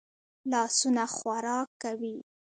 لاسونه خوراک کوي